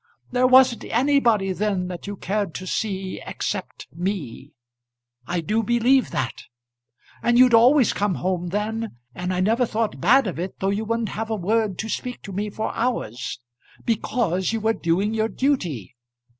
There wasn't anybody then that you cared to see, except me; I do believe that. And you'd always come home then, and I never thought bad of it though you wouldn't have a word to speak to me for hours. Because you were doing your duty.